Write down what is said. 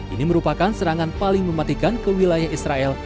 ini merupakan serangan paling mematikan ke wilayah israel